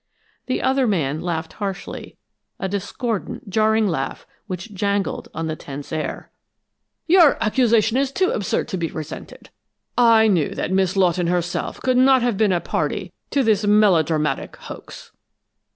The other man laughed harshly, a discordant, jarring laugh which jangled on the tense air. "Your accusation is too absurd to be resented. I knew that Miss Lawton herself could not have been a party to this melodramatic hoax!"